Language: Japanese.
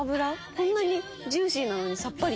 こんなにジューシーなのにさっぱり。